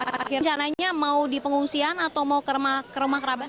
rencananya mau di pengungsian atau mau ke rumah kerabat